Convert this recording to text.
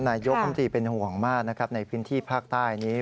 นายกรมตรีเป็นห่วงมากนะครับในพื้นที่ภาคใต้นี้